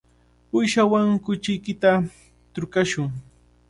Uyshaawan kuchiykita trukashun.